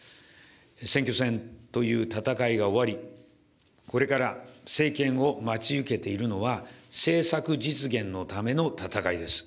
選挙戦という戦いが終わり、これから政権を待ち受けているのは、政策実現のための戦いです。